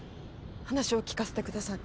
話を聞かせてください。